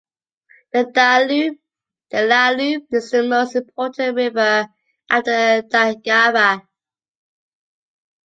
The Lielupe is the most important river after the Daugava.